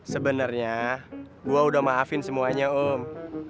sebenernya gua udah maafin semuanya om